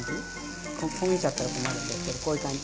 焦げちゃったら困るのでこういう感じ？